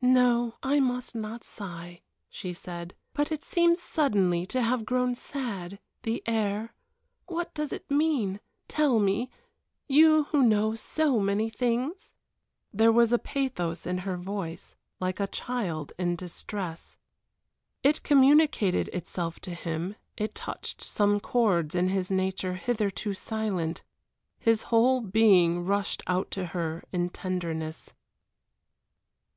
"No, I must not sigh," she said. "But it seems suddenly to have grown sad the air what does it mean? Tell me, you who know so many things?" There was a pathos in her voice like a child in distress. It communicated itself to him, it touched some chords in his nature hitherto silent. His whole being rushed out to her in tenderness.